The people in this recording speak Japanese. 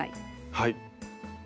はい。